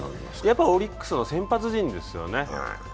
やっぱりオリックスの先発陣ですよね。